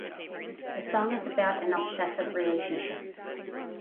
The song is about an obsessive relationship.